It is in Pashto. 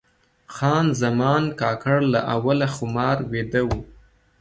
خان زمان کاکړ له اوله خمار ویده و.